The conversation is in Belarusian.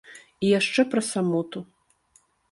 І яшчэ пра самоту.